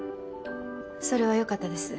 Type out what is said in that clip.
それはよかったです。